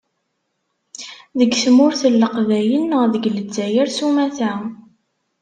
Deg tmurt n Leqbayel neɣ deg Lezzayer sumata.